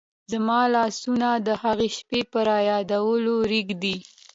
زما لاسونه د هغې شپې په رایادېدلو رېږدي.